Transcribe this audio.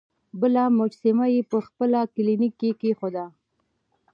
بله مجسمه یې په خپل کلینیک کې کیښوده.